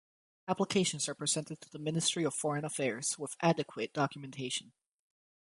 Applications are presented to the Ministry of Foreign Affairs with adequate documentation.